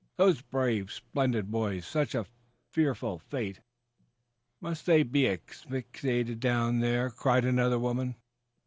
"Those brave, splendid boys such a fearful fate!" "Must they be asphyxiated down there, below?" cried another woman.